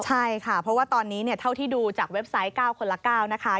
ใช่ค่ะเพราะว่าตอนนี้เท่าที่ดูจากเว็บไซต์๙คนละ๙นะคะ